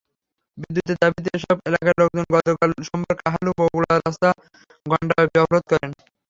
বিদ্যুতের দাবিতে এসব এলাকার লোকজন গতকাল সোমবার কাহালু-বগুড়া রাস্তা ঘণ্টাব্যাপী অবরোধ করেন।